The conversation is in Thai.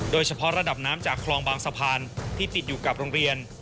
โดยเฉพาะระดับน้ำจากคลองบางสะพานที่ติดอยู่กับโรงเรียน